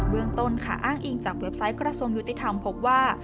เมืองต้นค่ะอ้างอิงจากเว็บไซต์กระทรวงยุติธรรมพบว่า